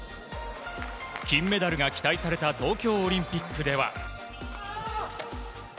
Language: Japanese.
金メダルが期待された東京オリンピックでは。